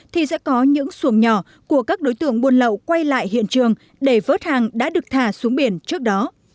thì sẽ có những xuồng nhỏ của các đối tượng buôn lậu quay lại hiện trường để vớt hàng đã được thả xuống biển trước đó